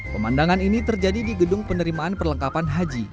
pemandangan ini terjadi di gedung penerimaan perlengkapan haji